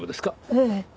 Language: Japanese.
ええ。